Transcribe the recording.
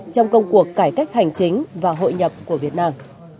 trong công cuộc cải cách hành chính và hội nhập của việt nam